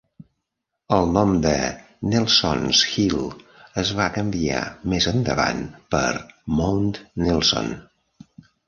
El nom de 'Nelson's Hill' es va canviar més endavant per Mount Nelson.